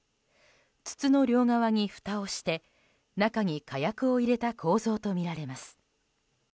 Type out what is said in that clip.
筒の両側にふたをして、中に火薬を入れた構造とみられます。